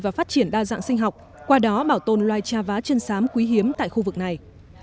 và phát triển đa dạng sinh học qua đó bảo tồn loài trà vá chân sám quý hiếm tại khu vực này